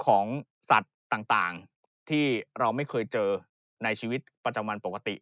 ของสัตว์ต่างที่เราไม่เคยเจอในชีวิตประจำวันปกติ